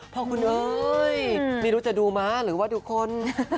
พ่อคุณเอยมิรุจะดูมะหรือว่าดูคน